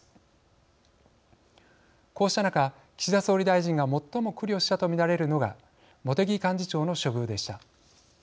こうした中岸田総理大臣が最も苦慮したと見られるのが茂木幹事長の処遇でした。